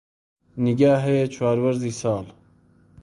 نیگا هەیە چوار وەرزی ساڵ